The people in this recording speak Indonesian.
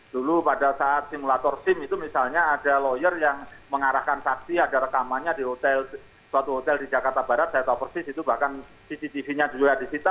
dulu pada saat simulator sim itu misalnya ada lawyer yang mengarahkan saksi ada rekamannya di suatu hotel di jakarta barat saya tahu persis itu bahkan cctv nya juga disita